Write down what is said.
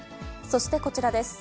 そしてこちらです。